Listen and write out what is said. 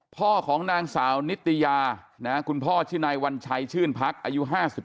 พ่อของนางสาวนิตยาคุณพ่อชื่อนายวัญชัยชื่นพักอายุ๕๓